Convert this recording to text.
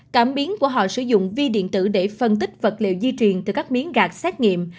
cảm biến của họ sử dụng vi điện tử để phân tích vật liệu di truyền từ các miếng gạt xét nghiệm